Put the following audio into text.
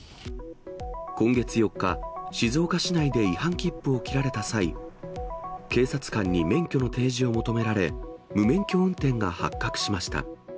今月４日、静岡市内で違反切符を切られた際、警察官に免許の提示を求められ、無免許運転が発覚しました。